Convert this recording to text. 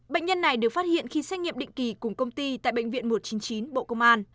bệnh nhân này được phát hiện khi xét nghiệm định kỳ cùng công ty tại bệnh viện một trăm chín mươi chín bộ công an